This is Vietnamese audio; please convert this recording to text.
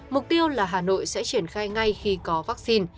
mục tiêu là hà nội sẽ triển khai ngay khi có vaccine